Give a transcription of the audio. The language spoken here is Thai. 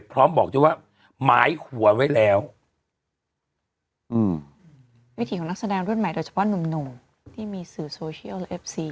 พร้อมบอกเจ้าว่าไม้หัวไว้แล้ววิธีของนักแสดงรุ่นใหม่โดยเฉพาะหนุ่มที่มีสื่อโซเชียลเอฟซี